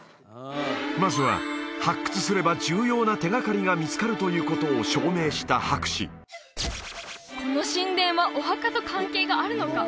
まずは発掘すれば重要な手がかりが見つかるということを証明した博士この神殿はお墓と関係があるのか？